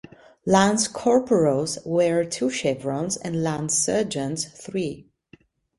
Lance Corporals wear two chevrons and Lance Sergeants three.